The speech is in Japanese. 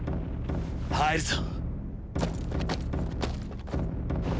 入るぞ。